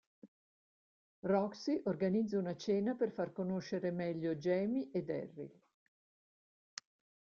Roxie organizza una cena per far conoscere meglio Jamie e Darryl.